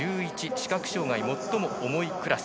視覚障がい最も重いクラス